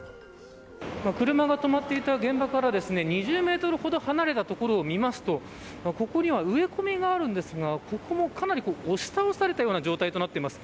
車が止まっていた現場から２０メートルほど離れた所を見ますとここには植え込みがあるんですがここも、かなり押し倒されたような状態となっています。